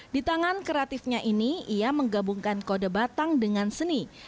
di tangan kreatifnya ini ia menggabungkan kode batang dengan seni